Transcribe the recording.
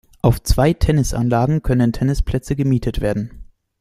Auf zwei Tennisanlagen können Tennisplätze gemietet werden.